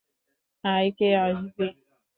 আয় কে আসবি!